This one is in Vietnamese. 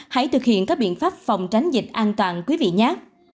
hãy thực hiện các biện pháp phòng tránh dịch an toàn quý vị nhát